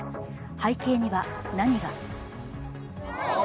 背景には何が。